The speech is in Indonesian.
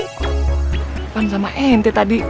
bagaimana sama ente tadi